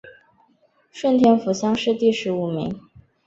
顺天府乡试第十五名。